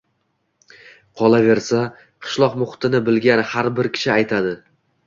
Qolaversa, qishloq muhitini bilgan har bir kishi aytadi